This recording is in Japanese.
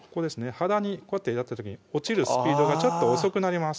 肌にこうやってやった時に落ちるスピードがちょっと遅くなります